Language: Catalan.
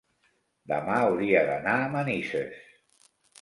Demà hauria d'anar a Manises.